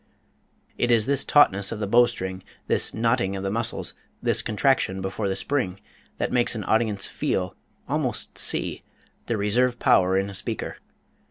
It is this tautness of the bow string, this knotting of the muscles, this contraction before the spring, that makes an audience feel almost see the reserve power in a speaker.